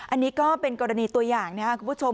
อันนี้ก็เป็นกรณีตัวอย่างนะครับคุณผู้ชม